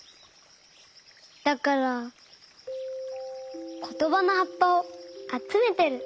だからことばのはっぱをあつめてる。